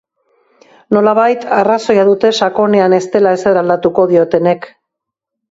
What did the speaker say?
Nolabait, arrazoia dute sakonean ez dela ezer aldatuko diotenek.